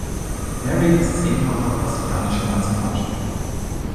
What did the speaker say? Nery ist zehnfacher brasilianischer Nationalspieler.